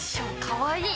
かわいい。